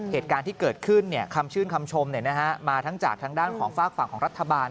เหตุการณ์ที่เกิดขึ้นคำชื่นคำชมมาทั้งจากทางด้านของฝากฝั่งของรัฐบาล